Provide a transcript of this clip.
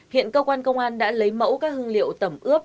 hiện cơ quan công an đã lấy mẫu các hương liệu tẩm ướp